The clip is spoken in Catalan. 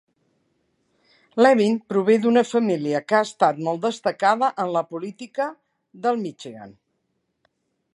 Levin prové d'una família que ha estat molt destacada en la política del Michigan.